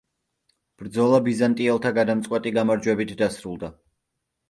ბრძოლა ბიზანტიელთა გადამწყვეტი გამარჯვებით დასრულდა.